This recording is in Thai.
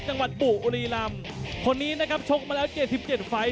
จังหวัดบุรีรัมคนนี้นะครับชกมาแล้ว๗๗ไฟต์